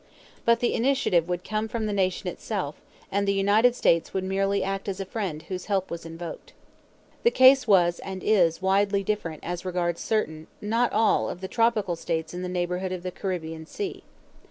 But the initiative would come from the Nation itself, and the United States would merely act as a friend whose help was invoked. The case was (and is) widely different as regards certain not all of the tropical states in the neighborhood of the Caribbean Sea.